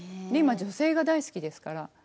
今女性が大好きですから。